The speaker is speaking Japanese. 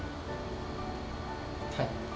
はい。